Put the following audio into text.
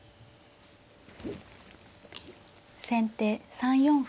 先手３四歩。